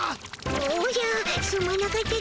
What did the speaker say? おじゃすまなかったでおじゃる。